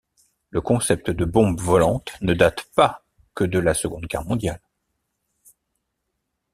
Le concept de bombe volante ne date pas que de la Seconde Guerre mondiale.